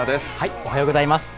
おはようございます。